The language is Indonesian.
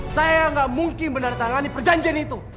saya nggak mungkin menandatangani perjanjian itu